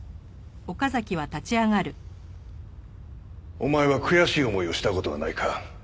お前は悔しい思いをした事はないか？